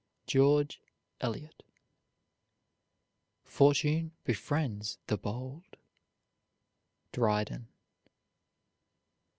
GEORGE ELIOT. Fortune befriends the bold. DRYDEN.